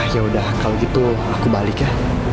yaudah kalau gitu aku balik ya